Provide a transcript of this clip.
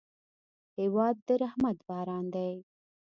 هېواد د رحمت باران دی.